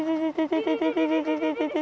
kami harus ke burada ya